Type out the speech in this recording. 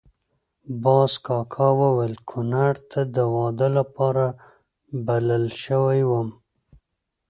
باز کاکا ویل کونړ ته د واده لپاره بلل شوی وم.